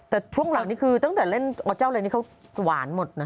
แต่ช่วงหลังนี่คือตั้งแต่เล่นอเจ้าเลยนี่เขาหวานหมดนะ